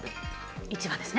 １番ですね。